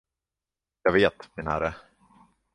Jag vet, min herre.